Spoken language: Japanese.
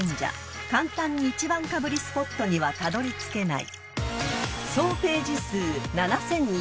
［簡単に１番かぶりスポットにはたどりつけない］